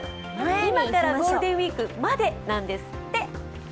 今からゴールデンウイークまでなんですって。